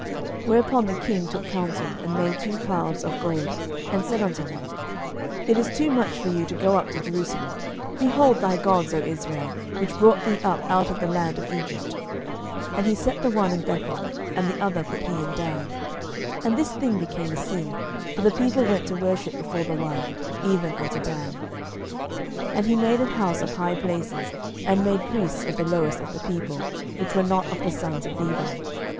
11:012:028 Whereupon the king took counsel, and made two calves of gold, and said unto them, It is too much for you to go up to Jerusalem: behold thy gods, O Israel, which brought thee up out of the land of Egypt. 11:012:029 And he set the one in Bethel, and the other put he in Dan. 11:012:030 And this thing became a sin: for the people went to worship before the one, even unto Dan. 11:012:031 And he made an house of high places, and made priests of the lowest of the people, which were not of the sons of Levi.